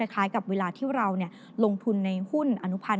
กับเวลาที่เราลงทุนในหุ้นอนุพันธ